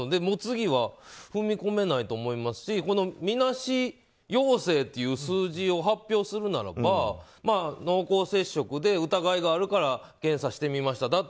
もう次は踏み込めないと思いますしこのみなし陽性っていう数字を発表するならば、濃厚接触で疑いがあるから検査してみました。